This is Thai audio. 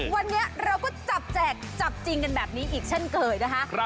วันนี้เราก็จับแจกจับจริงกันแบบนี้อีกเช่นเคยนะคะ